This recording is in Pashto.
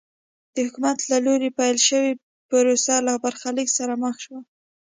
د حکومت له لوري پیل شوې پروسه له برخلیک سره مخ شوه.